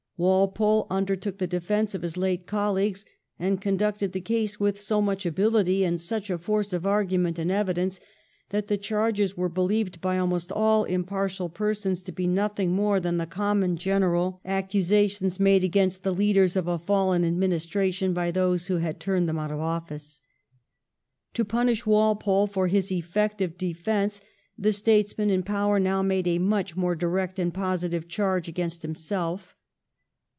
Walpole undertook the defence of his late colleagues, and con ducted the case with so much ability, and such a force of argument and evidence, that the charges were believed by almost all impartial persons to be nothing more than the common general accusations made against the leaders of a fallen administration by those who had turned them out of office. To punish Walpole for his effective defence the statesmen in power now made a much more direct and positive charge against himself.